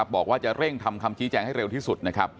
บอกว่าจะเร่งทำคำชี้แจงให้เร็วที่สุดนะครับ